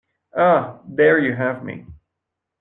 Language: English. Ah, there you have me.